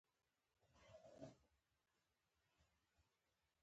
پورې ، وځي